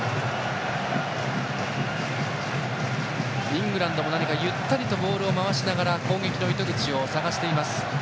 イングランドもゆったりとボールを回しながら攻撃の糸口を探しています。